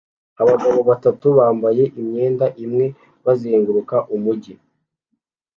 Abagabo batatu bambaye imyenda imwe bazenguruka umujyi